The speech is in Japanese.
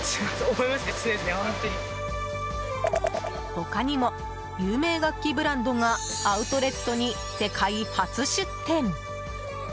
他にも、有名楽器ブランドがアウトレットに世界初出店。